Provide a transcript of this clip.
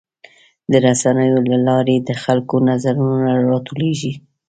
د رسنیو له لارې د خلکو نظرونه راټولیږي.